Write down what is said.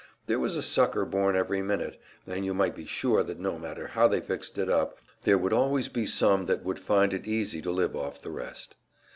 There was a sucker born every minute, and you might be sure that no matter how they fixed it up, there would always be some that would find it easy to live off the rest.